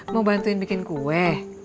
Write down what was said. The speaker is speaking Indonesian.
mau bantuin bikin kue